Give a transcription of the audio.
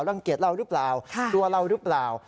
รังเกียจเราหรือเปล่ากลัวเราหรือเปล่า